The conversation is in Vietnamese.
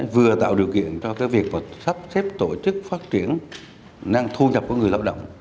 vừa tạo điều kiện cho việc sắp xếp tổ chức phát triển năng thu nhập của người lao động